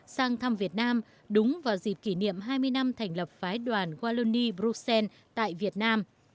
sang thăm việt nam đúng vào dịp kỷ niệm hai mươi năm thành lập phái đoàn wallonie bruxelles tại việt nam